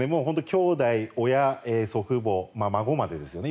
きょうだい、親祖父母、孫までですよね。